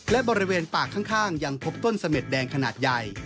และบริเวณปากข้างยังพบต้นเสม็ดแดงขนาดใหญ่